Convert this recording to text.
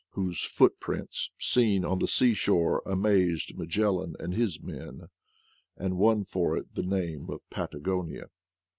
5 whose footprints seen on the sea shore amazed Magellan and his men, and won for it the name of Patagonia.